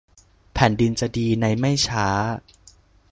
แผ่นดินจะดีในไม่ช้า